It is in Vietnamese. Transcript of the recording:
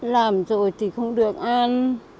làm rồi thì không được ăn